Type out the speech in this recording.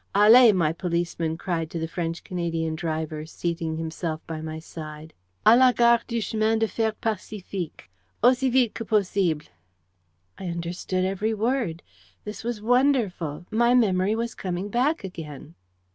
"Allez!" my policeman cried to the French Canadian driver, seating himself by my side. "A la gare du chemin de fer Pacific! Aussi vite que possible!" I understood every word. This was wonderful. My memory was coming back again.